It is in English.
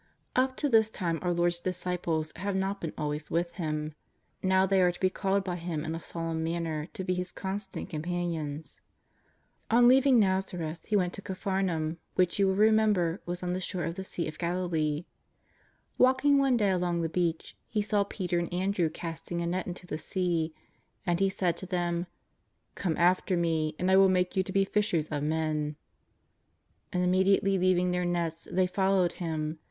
Up to this time our Lord's disciples have not been always with Him. Now they are to be called by Him in a solemn manner to be His constant companions. On leaving Nazareth, He went to Capharnaum, which you will remember was on the shore of the Sea of Gali lee. Walking one day along the beach, He saw Peter and Andrew casting a net into the sea. And He said to them: ^' Come after Me and I will make you to be fishers of men." And immediately leaving their nets they followed Him.